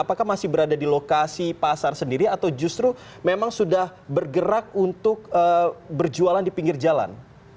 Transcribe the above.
apakah masih berada di lokasi pasar sendiri atau justru memang sudah bergerak untuk berjualan di pinggir jalan